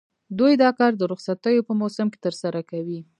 دوی دا کار د رخصتیو په موسم کې ترسره کوي